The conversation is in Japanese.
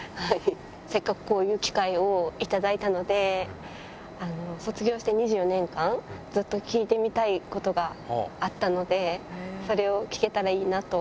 せっかくこういう機会を頂いたので、卒業して２４年間、ずっと聞いてみたいことがあったので、それを聞けたらいいなと。